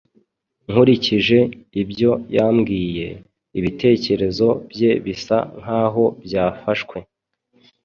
Nkurikije ibyo yambwiye, ibitekerezo bye bisa nkaho byafashwe.